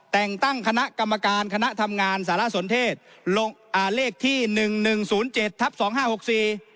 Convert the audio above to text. แต่งตั้งคณะกรรมการคณะทำงานสารสนเทศลงอ่าเลขที่หนึ่งหนึ่งศูนย์เจ็ดทับสองห้าหกสี่